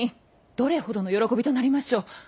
どれほどの喜びとなりましょう。